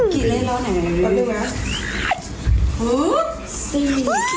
กี่เลขแล้วไหน